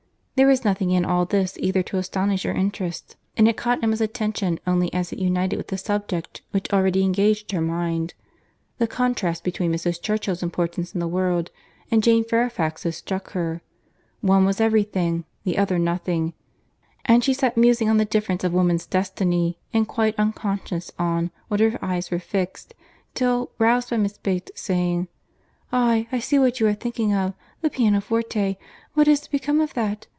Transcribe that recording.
There was nothing in all this either to astonish or interest, and it caught Emma's attention only as it united with the subject which already engaged her mind. The contrast between Mrs. Churchill's importance in the world, and Jane Fairfax's, struck her; one was every thing, the other nothing—and she sat musing on the difference of woman's destiny, and quite unconscious on what her eyes were fixed, till roused by Miss Bates's saying, "Aye, I see what you are thinking of, the pianoforte. What is to become of that?